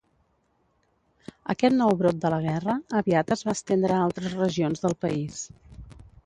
Aquest nou brot de la guerra aviat es va estendre a altres regions del país.